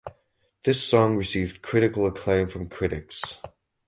This song received critical acclaim from critics.